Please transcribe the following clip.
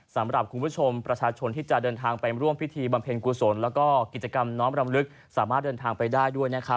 สำหรับคุณผู้ชมประชาชนที่จะเดินทางไปร่วมพิธีบำเพ็ญกุศลแล้วก็กิจกรรมน้อมรำลึกสามารถเดินทางไปได้ด้วยนะครับ